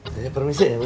saya permisi ya bu ya